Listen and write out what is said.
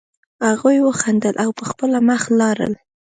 هغوی وخندل او په خپله مخه لاړل